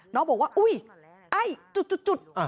น้องบอกว่าอุ๊ยไอ้จุด